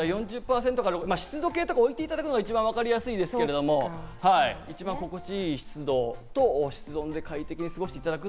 湿度計とか置いていただくのが一番わかりやすいですけど、一番心地いい湿度と室温で快適に過ごしていただく。